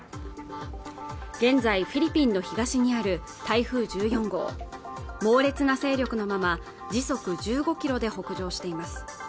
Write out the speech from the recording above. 現在フィリピンの東にある台風１４号猛烈な勢力のまま時速１５キロで北上しています